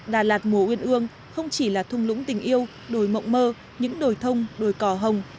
đà lạt mùa uyên ương không chỉ là thung lũng tình yêu đồi mộng mơ những đồi thông đồi cỏ hồng